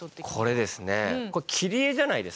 これですねこれ切り絵じゃないですか。